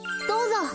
どうぞ。